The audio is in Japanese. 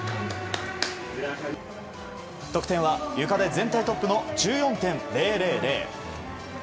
得点はゆかで全体トップの１４．０００。